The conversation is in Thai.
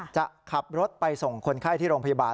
จะขับรถไปส่งคนไข้ที่โรงพยาบาล